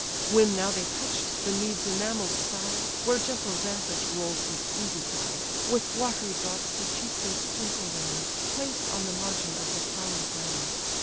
When now they touch'd the mead's enamell'd side, Where gentle Xanthus rolls his easy tide, With watery drops the chief they sprinkle round, Placed on the margin of the flowery ground.